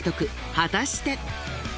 果たして。